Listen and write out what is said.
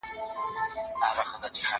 زه به سبا پاکوالي وساتم؟!